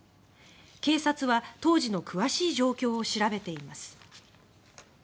警察は当時の詳しい状況を調べています。